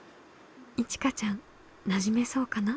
いちかちゃんなじめそうかな？